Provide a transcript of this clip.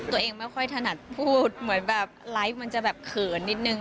ตัวเองไม่ค่อยถนัดพูดเหมือนแบบไลฟ์มันจะแบบเขินนิดนึง